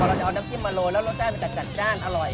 เราจะเอาน้ำจิ้มมาโรยแล้วรสชาติมันจะจัดจ้านอร่อย